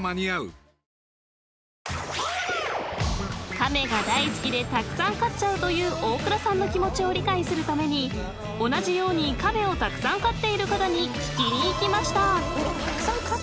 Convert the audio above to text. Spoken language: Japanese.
［カメが大好きでたくさん飼っちゃうという大倉さんの気持ちを理解するために同じようにカメをたくさん飼っている方に聞きに行きました］